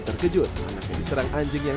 terkejut anaknya diserang anjing yang